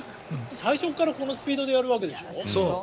最初からこのスピードでやるわけでしょ？